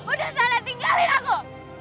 udah sana tinggalin aku